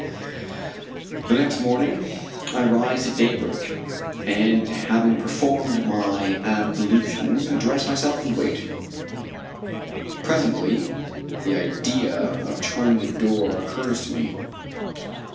The next morning I rise at daybreak, and having performed my ablutions, dress myself and wait. Presently the idea of trying the door occurs to me.